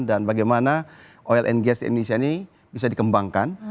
dan bagaimana oil and gas di indonesia ini bisa dikembangkan